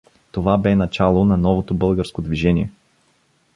Това бе начало на новото българско движение.